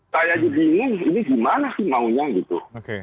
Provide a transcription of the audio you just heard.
saya aja bingung ini gimana sih maunya gitu